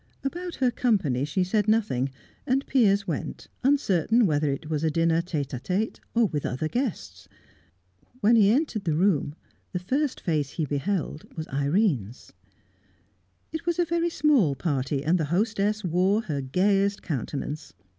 About her company she said nothing, and Piers went, uncertain whether it was a dinner tete a tete or with other guests. When he entered the room, the first face he beheld was Irene's. It was a very small party, and the hostess wore her gayest countenance.